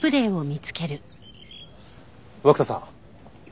涌田さん。